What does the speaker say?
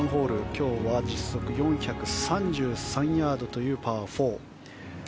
今日は実測４３３ヤードのパー４。